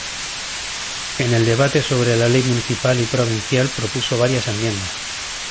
En el debate sobre la Ley municipal y provincial propuso varias enmiendas.